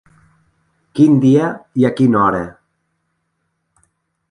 Quin dia i a quina hora?